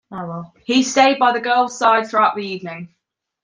He stayed by the girl's side throughout the evening.